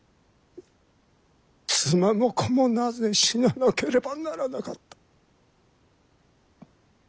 妻も子もなぜ死ななければならなかった。